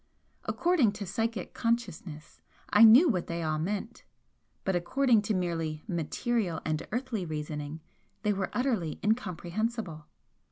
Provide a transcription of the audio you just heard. According to psychic consciousness I knew what they all meant, but according to merely material and earthly reasoning they were utterly incomprehensible.